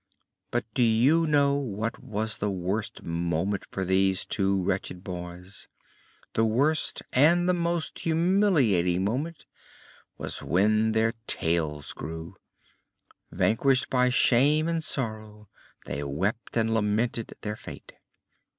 But do you know what was the worst moment for these two wretched boys? The worst and the most humiliating moment was when their tails grew. Vanquished by shame and sorrow, they wept and lamented their fate.